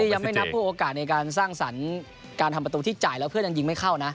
ยังไม่นับพวกโอกาสในการสร้างสรรค์การทำประตูที่จ่ายแล้วเพื่อนยังยิงไม่เข้านะ